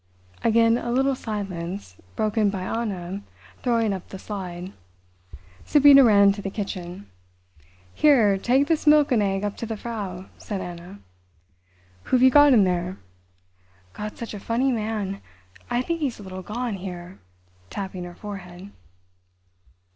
Again a little silence, broken by Anna throwing up the slide. Sabina ran into the kitchen. "Here, take this milk and egg up to the Frau," said Anna. "Who've you got in there?" "Got such a funny man! I think he's a little gone here," tapping her forehead.